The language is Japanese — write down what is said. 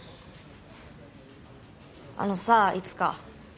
あのさいつか。